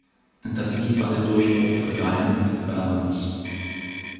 Das Lied war der Durchbruch für Dion and the Belmonts.